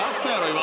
今。